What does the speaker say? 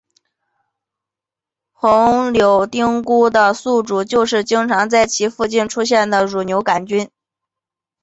红铆钉菇的宿主就是经常在其附近出现的乳牛肝菌。